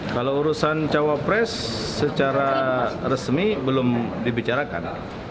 kalau urusan cawapres secara resmi belum dibicarakan